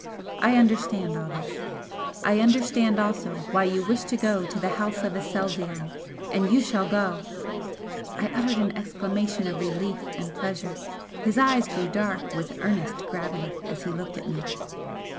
I understand all this. I understand also why you wish to go to the House of Aselzion, and you shall go " I uttered an exclamation of relief and pleasure. His eyes grew dark with earnest gravity as he looked at me.